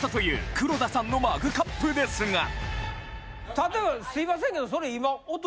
例えばすいませんけどそれ今。